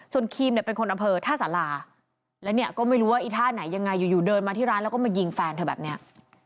ส่วนครีมเนี่ยเป็นคนอำเภอท่าสาราและเนี่ยก็ไม่รู้ว่าอีท่าไหนยังไงอยู่เดินมาที่ร้านแล้วก็มายิงแฟนเธอแบบนี้